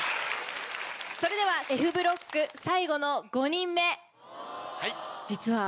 それではＦブロック最後の５人目。